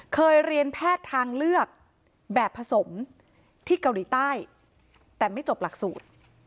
เคยเรียนแพทย์ทางเลือกแบบผสมที่เกาหลีใต้แต่ไม่จบหลักสูตร